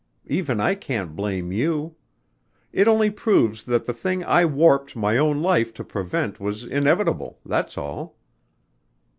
Even I can't blame you. It only proves that the thing I warped my own life to prevent was inevitable that's all."